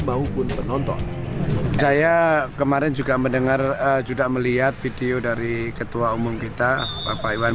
maupun penonton saya kemarin juga mendengar juga melihat video dari ketua umum kita bapak iwan